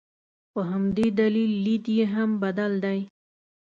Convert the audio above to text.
په همدې دلیل لید یې هم بدل دی.